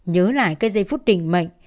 nhớ lại cái giây phút đỉnh mệnh